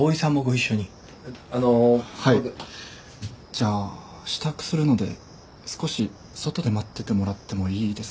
じゃあ支度するので少し外で待っててもらってもいいですか。